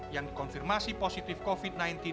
yang dikonfirmasi positif covid sembilan belas